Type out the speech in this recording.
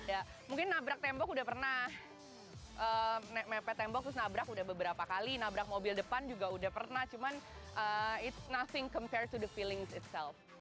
ya mungkin nabrak tembok udah pernah mepet tembok terus nabrak udah beberapa kali nabrak mobil depan juga udah pernah cuman it's nothing compare to the feelings itself